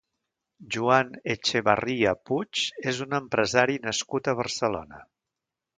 Joan Echevarria Puig és un empresari nascut a Barcelona.